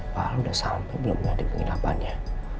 pak al udah sampai belum nyadipin ilahannya